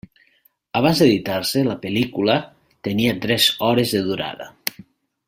Abans d'editar-se, la pel·lícula tenia tres hores de durada.